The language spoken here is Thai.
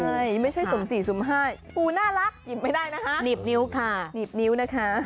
ใช่ไม่ใช่สมสี่สุ่มไห้ปูน่ารักหยิบไม่ได้นะคะหนีบนิ้วค่ะหนีบนิ้วนะคะ